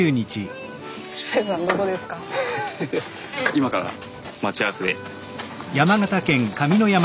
今から待ち合わせで。